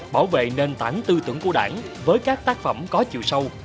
bảo vệ nền tảng tư tưởng của đảng với các tác phẩm có chiều sâu